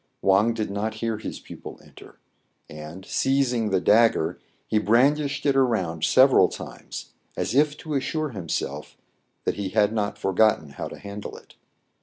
Wang did not hear his pupil enter ; and, seizing the dagger, he brandished it around several times, as if to assure himself that he had not forgotten how to handle it.